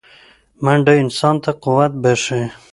منډه انسان ته قوت بښي